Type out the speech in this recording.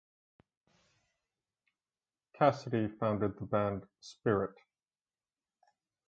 Cassidy founded the band Spirit.